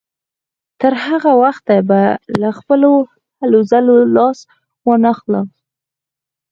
تر هغه وخته به له خپلو هلو ځلو لاس وانهخلم.